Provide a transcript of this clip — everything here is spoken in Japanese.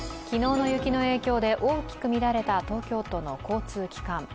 昨日の雪の影響で大きく乱れた東京都の交通機関。